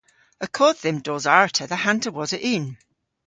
Y kodh dhymm dos arta dhe hanter wosa unn.